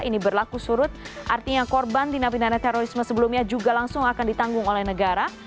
ini berlaku surut artinya korban tindak pidana terorisme sebelumnya juga langsung akan ditanggung oleh negara